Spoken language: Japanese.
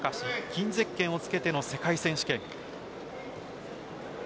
金ゼッケンをつけての世界選手権。